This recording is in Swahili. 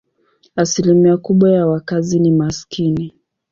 Asilimia kubwa ya wakazi ni maskini.